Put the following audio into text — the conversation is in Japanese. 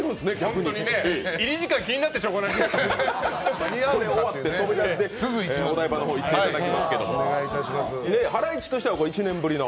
入り時間、気になってしょうがない飛び出しですぐ、お台場の方に行っていただきますけどハライチとしては１年ぶりの。